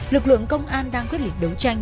lực lượng công an đang quyết định đấu tranh